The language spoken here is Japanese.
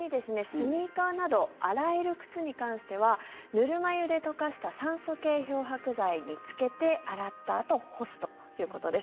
スニーカーなど洗える靴に関してはぬるま湯で溶かした酸素系漂白剤につけて洗ったあと干すということです。